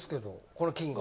この金額。